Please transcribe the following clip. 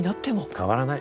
変わらない。